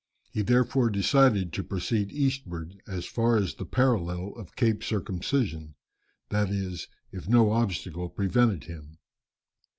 He therefore decided to proceed eastward as far as the parallel of Cape Circumcision, that is, if no obstacle prevented him.